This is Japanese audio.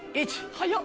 速っ。